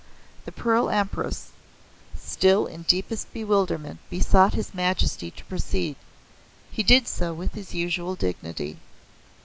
The Pearl Empress, still in deepest bewilderment, besought his majesty to proceed. He did so, with his usual dignity.